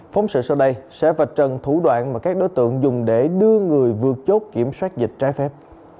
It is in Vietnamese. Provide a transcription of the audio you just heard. phóng sự sau đây sẽ vạch trần thủ đoạn mà các đối tượng dùng để đưa người vượt chốt kiểm soát dịch trái phép